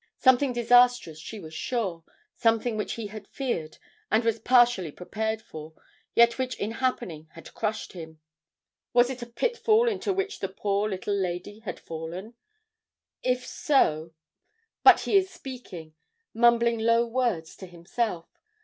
Something disastrous she was sure; something which he had feared and was partially prepared for, yet which in happening had crushed him. Was it a pitfall into which the poor little lady had fallen? If so But he is speaking mumbling low words to himself.